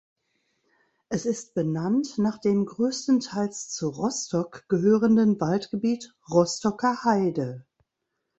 Es ist benannt nach dem größtenteils zu Rostock gehörenden Waldgebiet Rostocker Heide.